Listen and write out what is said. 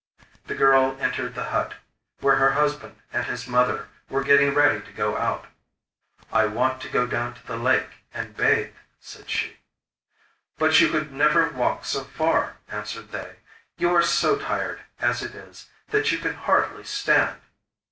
The girl entered the hut, where her husband and his mother were getting ready to go out. 'I want to go down to the lake, and bathe,' said she. 'But you could never walk so far,' answered they. 'You are so tired, as it is, that you can hardly stand!